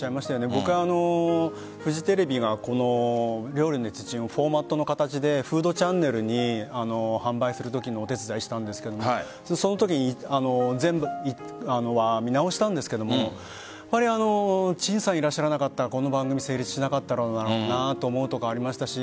僕はフジテレビがこの「料理の鉄人」をフォーマットの形でフードチャンネルに販売するときのお手伝いをしたんですけどそのときに全部見直したんですけども陳さんがいらっしゃらなかったらこの番組、成立なかっただろうなと思うところありましたし